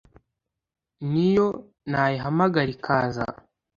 n'iyo nayihamagara ikaza